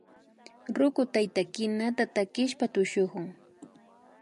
Ruku tayta kinata takishpa tushukun